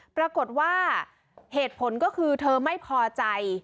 ปรากฏว่าเหตุผลก็คือเธอไม่พอใจ